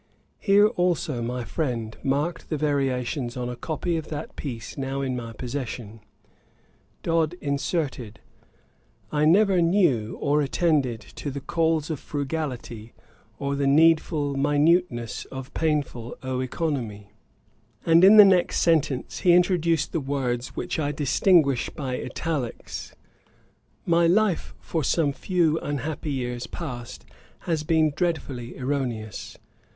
Here also my friend marked the variations on a copy of that piece now in my possession. Dodd inserted, 'I never knew or attended to the calls of frugality, or the needful minuteness of painful oeconomy;' and in the next sentence he introduced the words which I distinguish by Italicks; 'My life for some few unhappy years past has been dreadfully erroneous.'